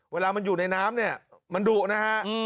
เวลามันอยู่ในน้ำเนี่ยมันดุนะฮะ